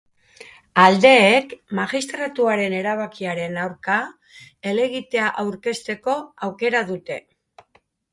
Aldeek magistratuaren erabakiaren aurka helegitea aurkezteko aukera dute.